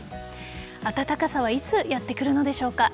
暖かさはいつやってくるのでしょうか。